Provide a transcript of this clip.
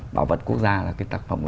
bảo vật quốc gia là cái tạc phẩm